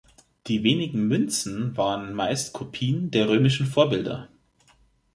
Die wenigen Münzen waren meist Kopien der römischen Vorbilder.